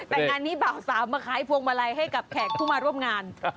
แต่งานนี้บ่าวสาวมาขายพวงมาลัยให้กับแขกผู้มาร่วมงาน